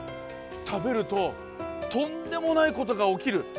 たべるととんでもないことがおきる